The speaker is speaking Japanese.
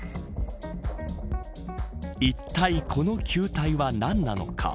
いったい、この球体は何なのか。